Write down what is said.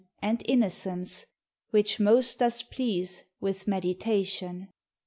And innocence, which most does please With meditation.